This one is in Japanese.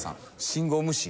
信号無視。